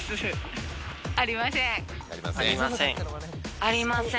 ありません。